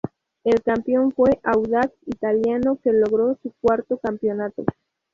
El campeón fue Audax Italiano que logró su cuarto campeonato.